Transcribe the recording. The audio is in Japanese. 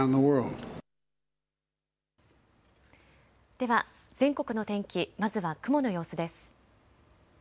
では全国の天気、まずは雲の様子です。